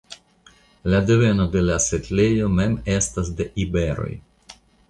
La deveno de la setlejo mem estas de iberoj.